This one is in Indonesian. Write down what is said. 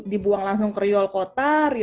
dibuang langsung ke riol kota